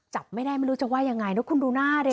จับไม่ได้ไม่รู้จะว่ายังไงนะคุณดูหน้าดิ